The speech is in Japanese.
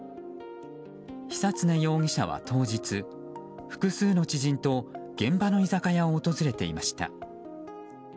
久恒容疑者は当日、複数の知人と現場の居酒屋を訪れていました。